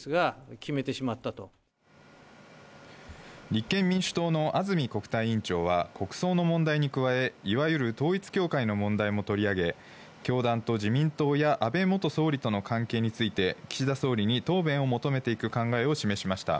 立憲民主党の安住国体委員長は国葬の問題に加え、いわゆる統一教会の問題も取り上げ、教団と自民党や安倍元総理との関係について岸田総理に答弁を求めていく考えを示しました。